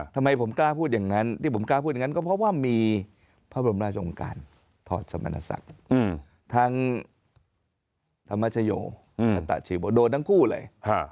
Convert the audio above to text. ทำไมผมกล้าพูดอย่างนั้นที่ผมกล้าพูดอย่างนั้นก็เพราะว่ามีพระบรมราชองค์การถอดสมณศักดิ์ทั้งธรรมชโยคัตตะชีโบโดนทั้งคู่เลย